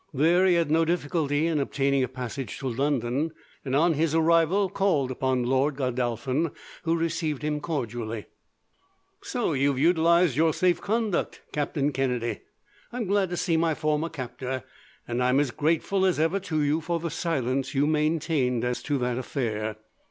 There he had no difficulty in obtaining a passage to London, and on his arrival called upon Lord Godolphin, who received him cordially. "So you have utilized your safe conduct, Captain Kennedy. I am glad to see my former captor, and I am as grateful as ever to you for the silence you maintained as to that affair.